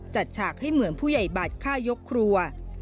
ฉากให้เหมือนผู้ใหญ่บัตรฆ่ายกครัว